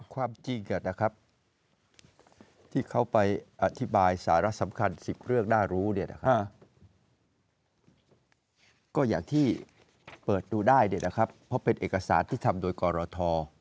ความจริงนะครับที่เขาไปอธิบายสาระสำคัญ๑๐เรื่องน่ารู้เนี่ยนะครับก็อย่างที่เปิดดูได้เนี่ยนะครับเพราะเป็นเอกสารที่ทำโดยกรท